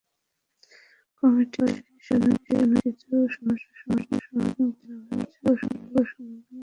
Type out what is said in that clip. কমিটির সুপারিশ অনুযায়ী কিছু সমস্যার সমাধান করা হয়েছে, অন্যগুলোর সমাধানও করা হবে।